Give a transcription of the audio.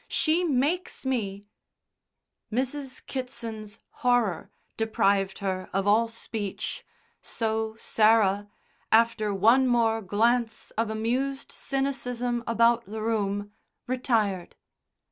She makes me " Mrs. Kitson's horror deprived her of all speech, so Sarah, after one more glance of amused cynicism about the room, retired.